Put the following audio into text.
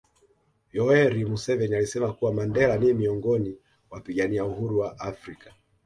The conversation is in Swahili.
Yoweri Museveni alisema kuwa Mandela ni miongoni wapigania uhuru wa afrika